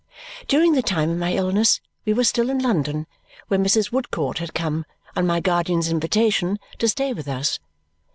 During the time of my illness, we were still in London, where Mrs. Woodcourt had come, on my guardian's invitation, to stay with us.